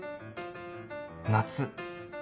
夏。